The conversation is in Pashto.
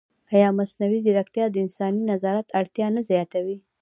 ایا مصنوعي ځیرکتیا د انساني نظارت اړتیا نه زیاتوي؟